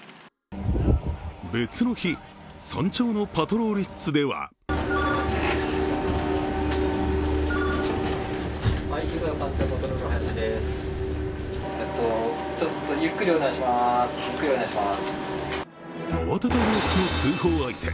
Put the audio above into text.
別の日、山頂のパトロール室では慌てた様子の通報相手。